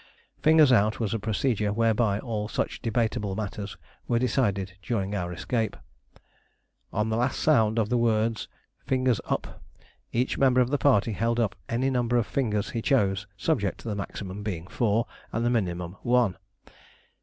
"Fingers out" was a procedure whereby all such debatable matters were decided during our escape. On the last sound of the words "Fingers up!" each member of the party held up any number of fingers he chose, subject to the maximum being four and the minimum one.